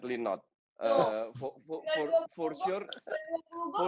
danny ings pasti tidak